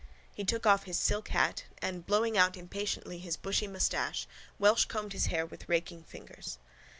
He took off his silk hat and, blowing out impatiently his bushy moustache, welshcombed his hair with raking fingers.